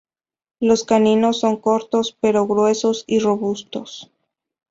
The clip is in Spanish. Los caninos son cortos, pero gruesos y robustos.